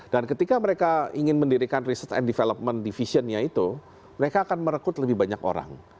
dan ketika mereka ingin mendirikan research and development division nya itu mereka akan merekrut lebih banyak orang